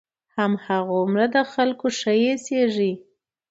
هماغومره د خلقو ښه اېسېږي.